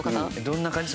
どんな感じ？